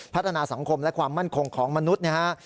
พัฒนาสังคมและความมั่นคงของมนุษย์นะฮะ